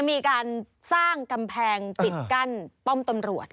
มีการสร้างกำแพงปิดกั้นป้อมตำรวจ